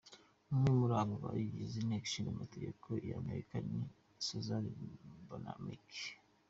Umwe muri abo bagize inteko ishingamategeko y'Amerika, ni Suzanne Bonamici.